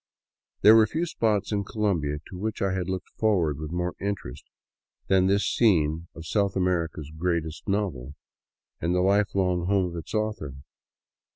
There were few spots in Colombia to which I had looked forward with more interest than this scene of South America's greatest novel, and the life long home of its author.